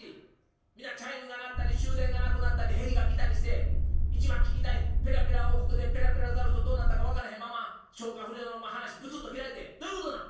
みんなチャイムが鳴ったり終電がなくなったりヘリが来たりして一番聞きたいペラペラ王国でペラペラザウルスとどうなったか分からへんまま消化不良のまま話ブツッと切られてどういうことなん」。